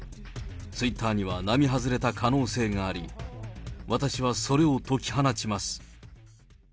ツイッターには並外れた可能性があり、私はそれを解き放ちます。